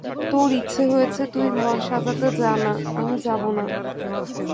তোর ইচ্ছে হয়েছে তুই ঘর সাজাতে যা-না– আমি যাব না।